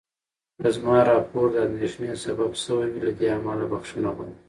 که زما راپور د اندېښنې سبب شوی وي، له دې امله بخښنه غواړم.